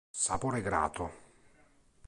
Sapore grato.